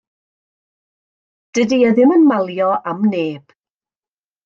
Dydi e ddim yn malio am neb.